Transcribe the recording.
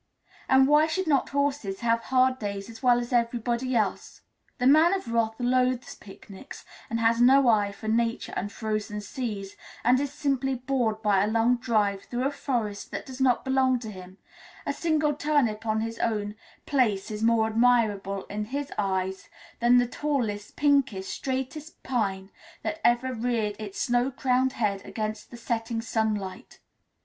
And why should not horses have hard days as well as everybody else? The Man of Wrath loathes picnics, and has no eye for nature and frozen seas, and is simply bored by a long drive through a forest that does not belong to him; a single turnip on his own place is more admirable in his eyes than the tallest, pinkest, straightest pine that ever reared its snow crowned head against the setting sunlight.